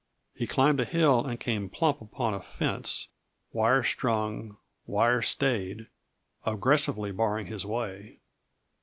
He climbed a hill and came plump upon a fence, wire strung, wire stayed, aggressively barring his way.